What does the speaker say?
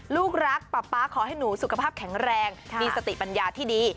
ลูกรักป๊าป๊าขอให้หนูสุขภาพแข็งแรงมีสติปัญญาที่ดี